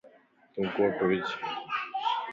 تون ڪوٽ وج